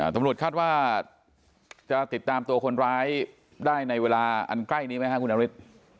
ตำรวจคาดว่าจะติดตามตัวคนร้ายได้ในเวลาอันใกล้นี้ไหมครับคุณนฤทธิ์